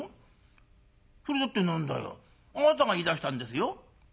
それだって何だあなたが言いだしたんですよ」。